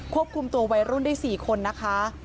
ควบคุมตัววัยรุ่นได้๔คนนะคะ